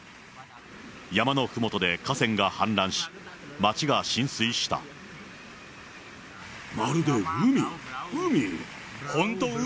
山のふもとで河川が氾濫し、まるで海、海！